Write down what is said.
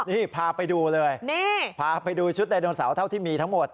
นี่พาไปดูเลยนี่พาไปดูชุดไดโนเสาร์เท่าที่มีทั้งหมด